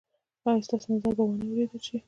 ایا ستاسو نظر به وا نه وریدل شي؟